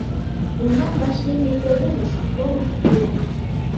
Унам вашлийме пӧлемыш толын шуо.